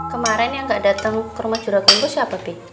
kemarin yang gak dateng ke rumah curagungku siapa bi